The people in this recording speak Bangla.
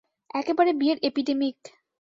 একেবারে বিয়ের এপিডেমিক!